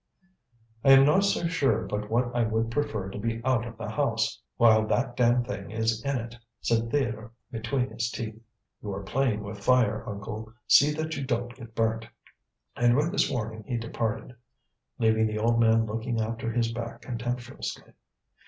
"I am not so sure but what I would prefer to be out of the house, while that damned thing is in it," said Theodore between his teeth. "You are playing with fire, uncle. See that you don't get burnt," and with this warning he departed, leaving the old man looking after his back contemptuously.